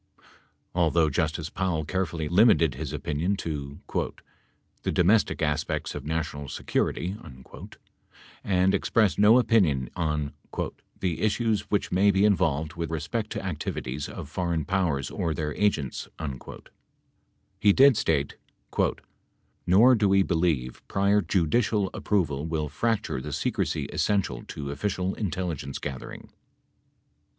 Although Justice Powell carefully limited his opinion to "the domestic aspects of national security" and expressed no opinion on "the issues which may be involved with respect to activities of foreign powers or their agents," he did state : "Nor do we believe prior judicial ap proval will fracture the secrecy essential to official intelligence gather ing.